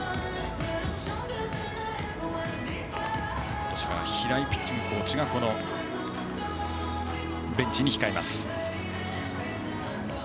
今年から平井ピッチングコーチがベンチに控えます。